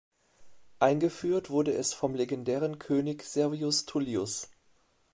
Eingeführt wurde es vom legendären König Servius Tullius.